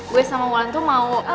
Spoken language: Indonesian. gue sama mulan tuh mau